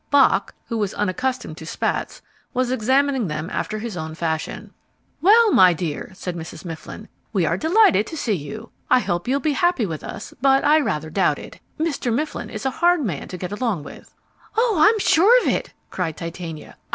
Bock, who was unaccustomed to spats, was examining them after his own fashion. "Well, my dear," said Mrs. Mifflin. "We are delighted to see you. I hope you'll be happy with us, but I rather doubt it. Mr. Mifflin is a hard man to get along with." "Oh, I'm sure of it!" cried Titania.